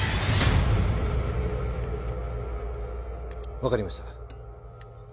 わかりました。